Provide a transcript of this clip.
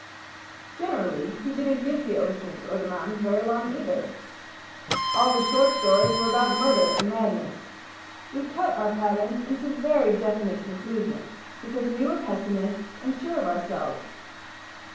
Generally he didn't give the oceans or the mountains very long either. All the short stories were about murder and madness. We cut our patterns into very definite conclusions because we were pessimists and sure of ourselves.